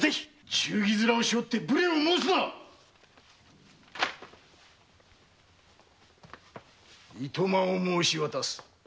忠義面をしおって無礼を申すな暇を申し渡す。